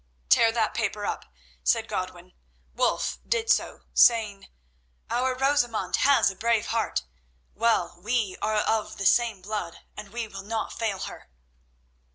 "Tear that paper up," said Godwin. Wulf did so, saying: "Our Rosamund has a brave heart. Well, we are of the same blood, and will not fail her."